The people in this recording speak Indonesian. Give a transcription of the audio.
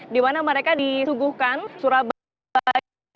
dimana mereka disuguhkan surabaya